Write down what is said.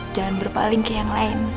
jangan berpaling ke yang lain